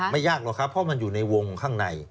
ยากหรอกครับเพราะมันอยู่ในวงข้างใน